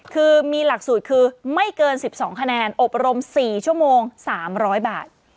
คือมีหลักสูตรคือไม่เกินสิบสองคะแนนอบรมสี่ชั่วโมงสามร้อยบาท